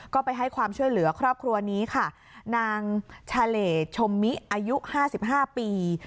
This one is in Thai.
ก็ไปให้ความช่วยเหลือครอบครัวนี้ค่ะนางชาเลชมิอายุห้าสิบห้าปี